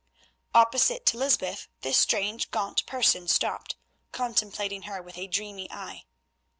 Opposite to Lysbeth this strange, gaunt person stopped, contemplating her with a dreamy eye.